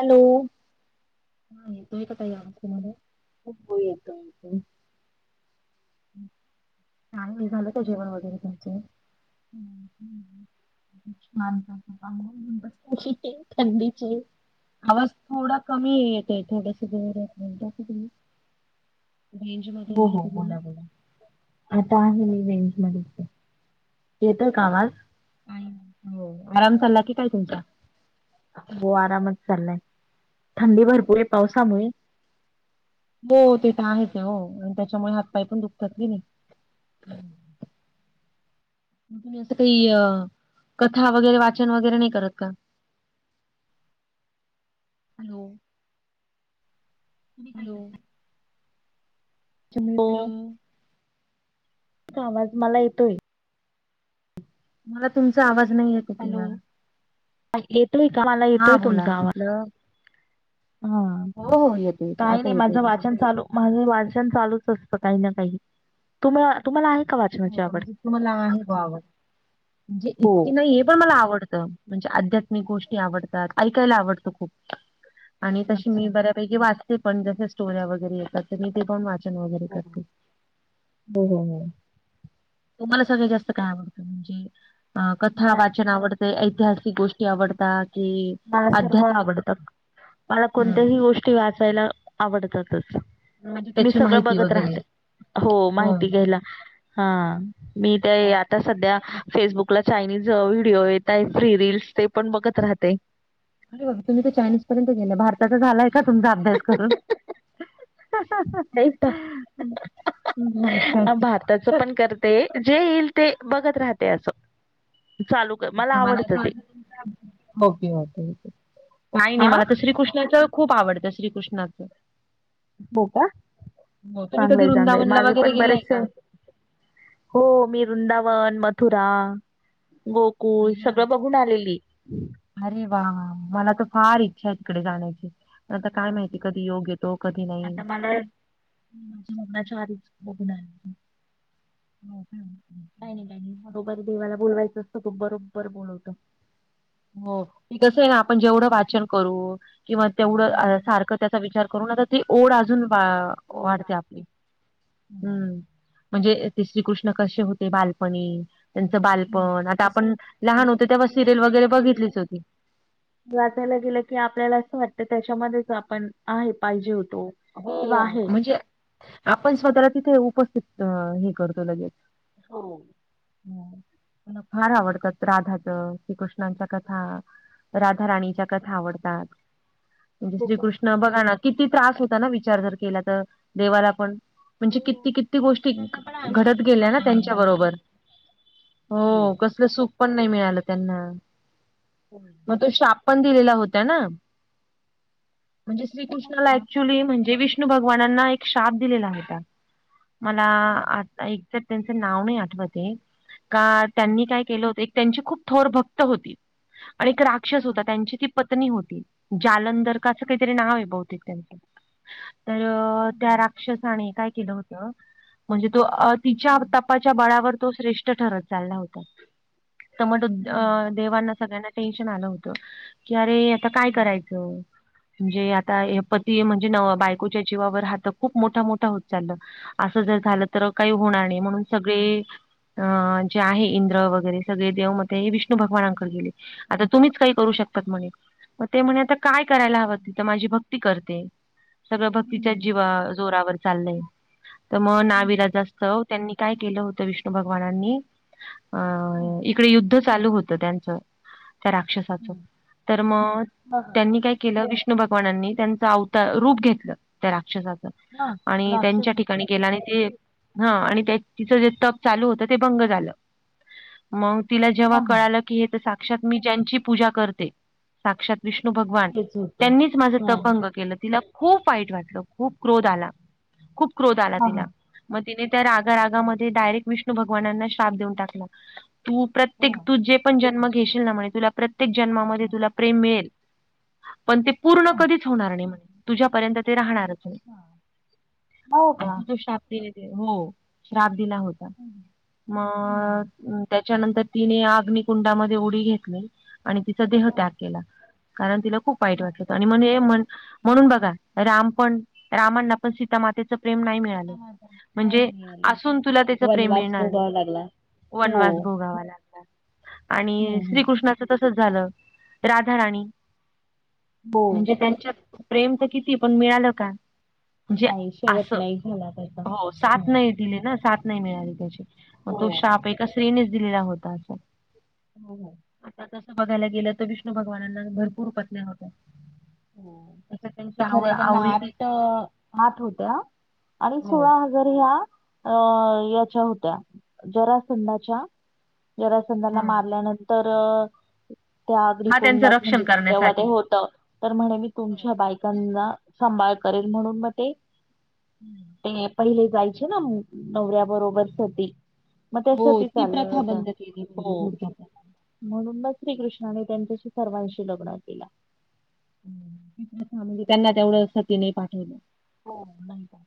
Hello. हा तुम्ही [unintelligible] खूप हो येतो [unintelligible] आणि हे झालं का जेवण वगैरे तुमचं? हम्म हम्म हम्म. [unintelligible] थंडीचे आवाज थोडा कमी येतंय. थोडंसं जरा [unintelligible] हो हो तरी बोला बोला. आता आहे इव्हेंटमध्येच आहे. येतोय का आवाज? हो आराम चालला की काय तुमचा? हो आरामच चाललाय. थंडी भरपूर आहे पावसामुळे. हो ते तर आहेच हो आणि त्याच्यामुळे हात पाय पण दुखतात की नाही. हम्म. मग तुम्ही असं काही अ कथा वगैरे वाचन वगैरे नाही करत का? हॅलो. तुम्ही काय हॅलो करताय? हॅलो [unintelligible] येतोय आवाज मला येतोय. मला तुमचा आवाज नाही येत. आहे हॅलो. क्लिअर. येतोय का? मला हा येतोय बोला तुमचा आवाज. म्हटलं हा. हो हो येतोय येतोय काय आता नाही येतोय माझं बघा. वाचन चालू माझं वाचन चालूच असतं काही ना काही. तुम-तुम्हाला आहे का वा हो का म्हणजे तुम्हाला आहे आवड म्हणजे हो इतकी नाहीये पण मला आवडतं. म्हणजे आध्यात्मिक गोष्टी आवडतात ऐकायला आवडत खूप आणि तशी मी अच्छा बऱ्या पैकी वाचते पण. जसं स्टोऱ्या वगैरे येतात तर मी ते पण वाचन वगैरे करते. हो हो हो. तुम्हाला सगळ्यात जास्त काय आवडतं? म्हणजे अ कथा मला वाचन आवड ऐतिहासिक गोष्टी आवडतात. मला सर्व आवडतात. मला कोणत्याही हम्म गोष्टी वाचायला आवडतातच. म्हणजे मी त्याची सगळं माहिती बघत वगैरे राहते हो माहिती घ्यायला हा. मी ते हो. आता सध्या फेसबुकला चायनीज व्हिडिओ येत आहे, फ्रि रील्स ते पण बघत राहते. अरे बापरे तुम्ही तर चायनीज पर्यंत गेलाय. भारताचा झालाय का तुमचा अभ्यास करून? नाही का अच्छा अच्छा. त्याच पण करते. जे येईल ते बघत राहते असं, चालू कर मला आवडतं ते ओके ओके ओके नाही नाही हा मला तर श्रीकृष्णाच्या खूप आवडते श्रीकृष्णाचं. हो का हो. तुम्ही कधी चांगलंय चांगलंय वृंदावनला माझे वगैरे पण गेलाय बरेचसे का? हो. मी वृंदावन, मथुरा, गोकुल अय्या सगळं ब बघुण आलेली. अरे वा मला तर फार इच्छा आहे तिकडे जााण्याची. आता काय माहिती कधी योग येतो कधी नाही. मण. माझ्या मग्नाच्या आारीच बघून. [unintelligible] हो ह. [unintelligible] काय नाही काय नाही बरोबर देवाला बोलवायचं असतं तो बरोबर बोलवतो. हो कसं आहे ना आपण जेवढं वाचन करू किंवा तेवढं हम्म. सारखं त्याचा विचार. करून आता ती ओढ अजून वा वाढते आपली हम्म. म्हणजे ते श्रीकृष्ण कशे होते बालपणी? त्यांचं हम्म. बालपण आता आपण लहान होतो तेव्हा सिरीयल वगैरे केलं. बघितलीच होती. वाचायला गेलं की आपल्याला असं वाटतं त्याच्यामध्येच आपण आहे पाहिजे होतो. किंवा हो आहे. म्हणजे आपण स्वतःला तिथे उपस्थित हे करतो लगेच. हो. हम मला फार आवडतात राधाचं, श्रीकृष्णाच्या कथा. राधा राणीच्या कथा आवडतात. म्हणजे हो का? श्रीकृष्ण बघा ना किती त्रास होता ना विचार जर केला तर देवाला पण म्हणजे किती हो. किती गोष्टी त्यांना पण घडत आयुष्यभर सुख गेल्या ना नाही त्यांच्या मिळालं. बरोबर. हो कसलं सुखपन नाई मिळालं त्यांना. हम्म. पण तो श्राप पण दिलेला होता ना म्हणजे हा, श्रीकृष्णाला हा, पूर्वी म्हणजे विष्णू भगवानांना एक शाप दिलेला होता. मला हा, आता‌ एक्झॅक्ट त्यांचं नाव नाई आठवतय. का हा, त्यांनी काय केलं होतं एक त्यांची खूप थोर भक्त होती आणि एक राक्षस हा, होता त्यांची ती ‌ पत्नी होती जालंदर का च काई तरी नाव ए बहुतेक त्यांचं तर त्या राक्षसाने काय केलं होतं म्हणजे तो अ तिच्या तपा च्या बळावर तो श्रेष्ठ ठरत चालला होता त मग अ देवांना सगळ्यांना टेन्शन आलं होतं की अरे आता काय करायच? जे आता हे पती ए म्हणजे नवं बाय को च्या जीवावर हा तर खूप मोठा मोठा होत चालला असं जर झालं तर काई होणार नाही म्हणून सगळे अ जे आहे इंद्र वगैरे सगळे देव मग ते विष्णू भगवानांकडे गेले आता तुम्हीच काई करू शकतात म्हणे. मग ते म्हणे आता काय करायला हवं तीत माझी भक्ती करते. सगळं भक्तीच्या जीवा जोरावर चाललंय त म नाविलाज असं तर त्यांनी काय केलं होतं विष्णू भगवानांनी अ इकडे युद्ध चालू होतं त्यांचं त्या राक्षस तर मग हा, हा, त्यांनी काय केलं विष्णू भगवानांनी त्यांचं आवता रूप घेतलं त्या राक्षसाचं हा. आणि राक्षस त्यांच्या होतो. ठिकाणी गेला आणि ते ‌ हम्म आणि ते तिचं जे तब चालू ‌ होतं ते भंग झालं. मग तिला जेव्हा हा, हा. कळालं की हे तर साक्षात मी ज्यांची पूजा करते साक्षात विष्णू भगवान तेच होते त्यांनीच माझं हा. भंग केलं तिला खूप वाईट वाटलं, खूप क्रोध आला, खूप क्रोध आला तिला. मग तिने त्या रागा रागामध्ये डायरेक्ट विष्णु भगवानांना शाप देऊन टाकला. तू प्रत्येक तू जे पण जन्म घेशील ना म्हणे तुला प्रत्येक जन्मामध्ये तुला प्रेम मिळेल. पण ते पूर्ण कधीच होणार नाही म्हणे. तुझ्यापर्यंत ते राहणारच नाई हो का? आणि जो [unintelligible] ने दिला हो. श्राप दिला होता म अ त्या च्या नंतर तिने अग्नि कुंडामध्ये उडी घेतली आणि तिचा देह हा त्यात केला. कारण तिला खूप वाईट हा वाटलं होतं. आणि म्हणे म्हण म्हणून बघा राम पण रामांना पण सीता मातेचं प्रेम नाय मिळाल सीता माता नाही म्हणजे मिळाली. असून तुला तिचं प्रेम वनवास मिळनार नाई. भोगावा लागला हो वनवास भोगावा लागला. आणि हम्म हम्म श्रीकृष्णाच तसंच झालं राधा राणी. हो. म्हणजे त्यांच्यात प्रेम तर किती पण मिळाल का? म्हणजे नाही शेवट असं नाही झाला त्याचा हो सात नई दिली ना साथ नाई मिळाली त्याची मग हो तो शाप एका स्त्री नेच दिला होता असं. हो हो. आता तसं बघायला गेलं तर विष्णू भगवानांना भरपूर् पत्न्या होत्या त्याच्यात त्यांच्या खर आवड त्यांना आवडीचे आठ आठ होत्या आणि हो सोळा. ह याच्या होत्या जरासंधाच्या. जरासंधाला हम्म मारल्यानंतर. त्या अग्नि हा त्यांचं कुंडात रक्षण म्हणजे तेव्हा ते करण्यासाठी होतं. तर म्हणे मी तुमच्या बायकांना सांभाळ करेल म्हणून मग ते. ते पहिले जायचे ना नवऱ्या. नवऱ्याबरोबर सती म हो त्यासाठी त्या ती चालल्या प्रथा होत्या. बंद केली म्हणजे थोडक्यात म्हणून म श्रीकृष्णांनी त्यांच्याशी सगळ्याशी लग्न केलं. म्हणजे तेवढ्यासाठी त्यांना नाही पाठवलं. [unintelligible] हो का.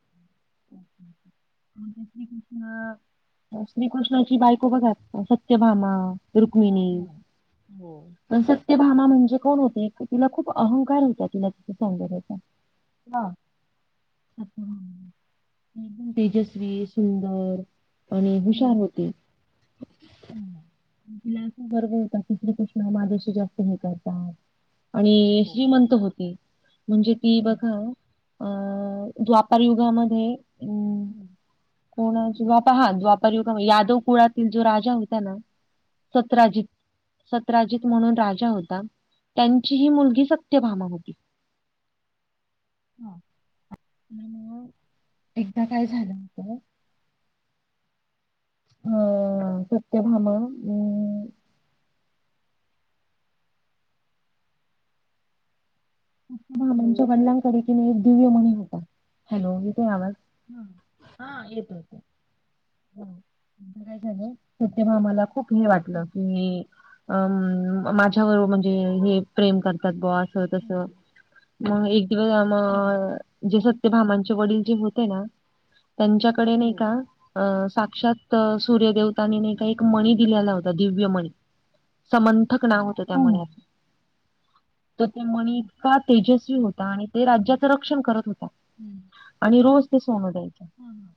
[inaudible] श्रीकृष्ण श्रीकृष्णाची बायको बघात सत्यभामा. रुक्मिणी. हम्म हो पण सत्यभामा म्हणजे कोण होती तिला खूप अहंकार होता तिच्या सौंदर्याचा. हा. अ. एकदम तेजस्वी सुंदर आणि हुशार होति. हम्. श्रीकृष्ण माझ्याशी जास्त हे करतात. आणि श्रीमंत होती म्हणजे ती बघा. अ द्वापार युगामध्ये. हम्. कुणाची हा द्वापार युगामध्ये यादव कुळातील जो राजा होता ना. सतराजित. सतराजित म्हणून राजा होता त्यांची ही मुलगी सत्यभामा होती. एकदा काय झालं होतं. अ सत्यभामाउं. भामांच्या वडिलांकडे की नाय एक दिव्य मणी होता हॅलो येतोय आवाज. हा हा येतोय. एकदा काय झालं सत्यभामाला खूप हे वाटलं की. अं माझ्यावर म्हणजे हे प्रेम करतात ब असं तसं. मग एक दिवस जे सत्यभमांचे वडील जे होते ना त्यांच्या कडे नाय का. अ साक्षात सूर्य देेवताांनी नाही का एक मणी दिलेला होता दिव्य मणी. समंथक नाव होतं त्या मन्याचं तर त्यो मणी इतका तेजस्वी होता आणि ते राज्याचं रक्षण करत होता आणि रोज ते सोनं द्यायचे हा हा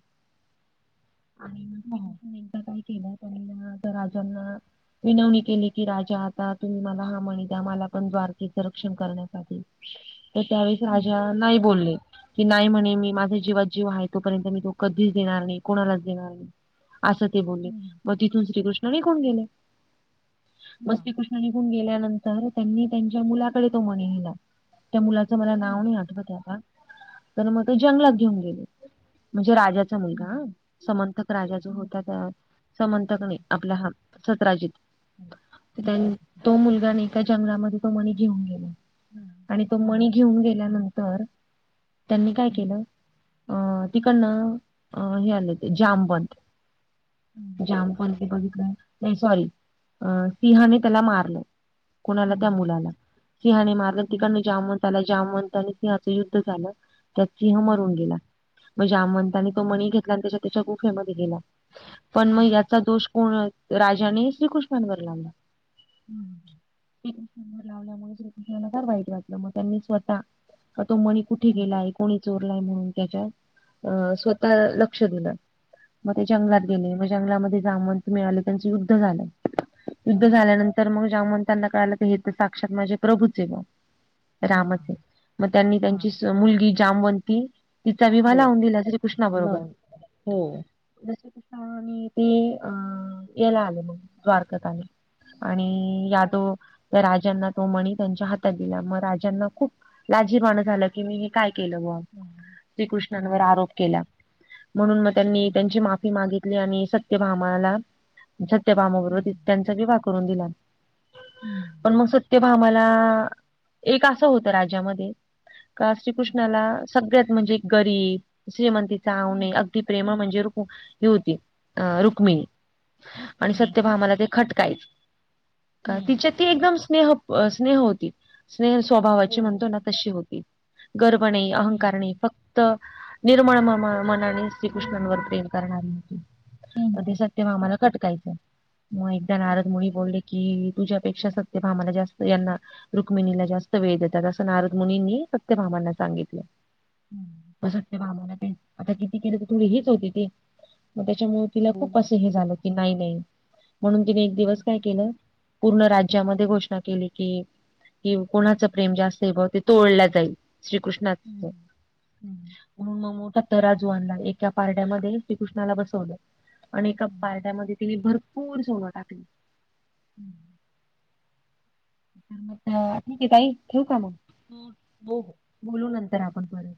आणि श्री कृष्णांनी एकदा काय केलं परंजना त्या राजांना विनवणी केली की राजा आता तुम्ही मला हा मणी द्या मला पण द्वारकेचं रक्षण करण्यासाठी तर त्यावेळीस राजा नाय बोलले की नाही म्हणे मी माझ्या जीवात जीव आहे तोपर्यंत मी तो कधीच देणार नाही कोणालाच देणार नाही असे ते बोलले म तिथून श्रीकृष्ण निघून गेले म श्रीकृष्ण निघून गेल्यानंतर त्यांनी त्यांच्या मुलाकडे तो मनी दिला त्या मुलाचं मला नाव नाही आठवतये आता तर म ते जंगलात घेऊन गेले म्हणजे राजाचा मुलगा हा समंथक राजा जो होता त्या समंतक नाही आपला हा सतराजीत तो मुलगा नाही का जंगलामध्ये तो मणी घेऊन गेला आणि तो मणी घेऊन गेल्यानंतर त्यांनी काय केलं अं तिकडनं हे आलेते जामवंत जामवंत ने बघितल नाही सॉरी अ सिंहाने त्याला मारलं कुणाला त्या मुलाला सिंहाने मारलं तिकडन जामवंत आला जामवताने सिंहाला युद्ध झालं त्यात सिंह मरून गेला म जामंवंतानी तो मणी घेतला आणि त्याच्यात त्याच्या गुफे मध्ये गेला पण मग याचा दोष कोण राजाने श्रीकृष्णांवर लावला हू श्रीकृष्णावर लावल्यामुळ श्री कृष्णाला फार वाईट वाटलं म त्यांनी स्वतः का तो मणी कुठे गेलाय कोणी चोरलाय म्हणून त्याच्या अ स्वतः लक्ष दिलं म ते जंगलात गेले म जंगलामध्ये जामवंत मिळाले त्यांच युद्ध झालं युद्ध झाल्यानंतर तर मग जामवताना कळालं कि हे तर साक्षात माझे प्रभूच आहे रामच हाय म त्यांनी त्यांची मुलगी जामवंती तिचा विवाह लावून दिला श्रीकृष्णा बरोबर हो जस कृष्णा आणि ते याला आले म द्वारकात आले आणि यादो त्या राजांना तो मणी त्यांच्या हातात दिला म राजांना खूप लाजीरवान झालं की मी हे काय केलं बुवा हू श्रीकृष्णांवर आरोप केला म्हणून मगत्यांनी त्यांची माफी मागितली आणि सत्यभामाला सत्यभामा बरोबर त्यांचा विवाह करून दिला पण मग सत्य भामाला एक असं होतं राज्यामध्ये का श्रीकृष्णाला सगळ्यात म्हणजे गरीब श्रीमंतीचा आव नाही ते प्रेमळ म्हणजे रुक् हे होती रुक्मिणी आणि सत्यभामाला ते खटकायच का तिच्या ती एकदम स्नेह स्नेह होती स्नेह स्वभावाची म्हणतो ना तशी होती गर्व नाही अहंकार नाही फक्त निर्मळ मम मनाने श्रीकृष्णांवर प्रेम करणारी होती म ते सत्य आम्हाला खटकायचं म एकदा नारद मुनि बोलले कि तुझ्यापेक्षा सत्य भामाला जास्त यांना रुक्मिणीला जास्त वेळ देतात असं नारदमुनींनी सत्यभामांना सांगितलं सत्यभामाला ते आता किती केलं तरी हेच होती ती म त्याच्यामुळ तिला खूप असं हे झालं, की नाही-नाही, म्हणून तिने एक दिवस काय केलं? पूर्ण राज्यामध्ये घोषणा केली की - की कोणाचं प्रेम जास्त आहे ब ते तोळलं जाईल श्रीकृष्णास्त म्हणून मग मोठा तराजू आणला, एक एका पारड्यामध्ये श्रीकृष्णाला बसवलं आणि एका पारड्यामध्ये तिनी भरपूर सोनं टाकलं [inaudible] [unintelligible] ठीक आहे ताई, ठेऊ का मग? [unintelligible] बोलू नंतर, आपण परत